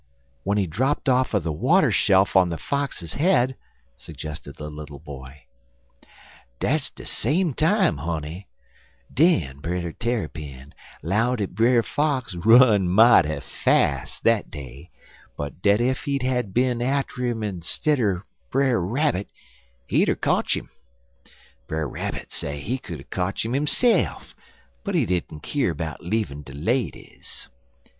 "When he dropped off of the water shelf on the Fox's head," suggested the little boy. "Dat's de same time, honey. Den Brer Tarrypin 'low dat Brer Fox run mighty fas' dat day, but dat ef he'd er bin atter 'im stidder Brer Rabbit, he'd er kotch 'im. Brer Rabbit say he could er kotch 'im hisse'f but he didn't keer 'bout leavin' de ladies.